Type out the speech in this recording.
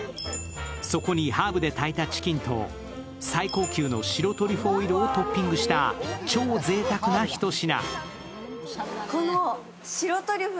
そこにハーブで炊いたチキンと最高級の白トリュフオイルをトッピングした超ぜいたくなひと品。